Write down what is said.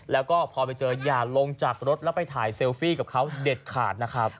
แล้วก็พอไปเจออย่าลงจากรถแล้วไปถ่ายเซลฟี่กับเขาเด็ดขาดนะครับ